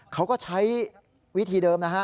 เขาก็ใช้วิธีเดิมนะฮะ